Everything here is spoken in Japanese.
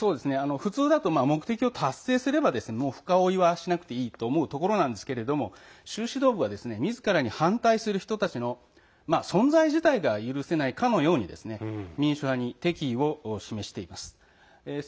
普通だと目的を達成すれば深追いしなくていいように思うんですけれども習指導部はみずからに反対する人たちの存在自体が許せないというように民主派に敵意を示しています。